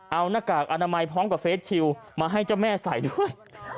เอาหน้ากากอนามัยพร้อมกับเฟสชิลมาให้เจ้าแม่ใส่ด้วย